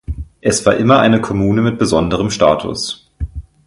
Es war immer eine Kommune mit besonderem Status.